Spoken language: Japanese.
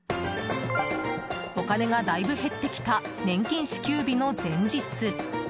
お金がだいぶ減ってきた年金支給日の前日。